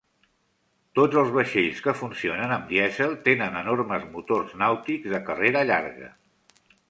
Tots els vaixells que funcionen amb dièsel tenen enormes motors nàutics de carrera llarga.